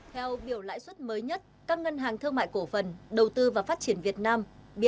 theo biểu lãi suất mới nhất các ngân hàng thương mại cổ phần đầu tư và phát triển việt nam